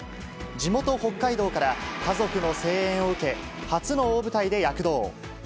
地元、北海道から家族の声援を受け、初の大舞台で躍動。